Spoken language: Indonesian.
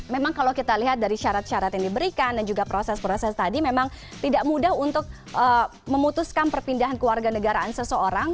memang kalau kita lihat dari syarat syarat yang diberikan dan juga proses proses tadi memang tidak mudah untuk memutuskan perpindahan keluarga negaraan seseorang